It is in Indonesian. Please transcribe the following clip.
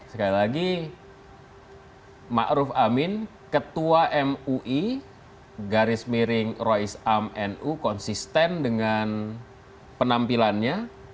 sekali lagi ma'ruf amin ketua mui garis miring roisam nu konsisten dengan penampilannya